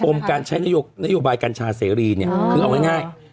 ปรมการใช้นโยบายการชาเสรีเอาง่าย